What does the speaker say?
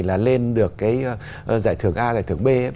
là lên được cái giải thưởng a giải thưởng b